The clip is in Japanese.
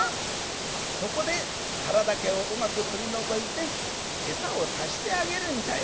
そこでカラだけをうまくとりのぞいてえさをたしてあげるんじゃよ。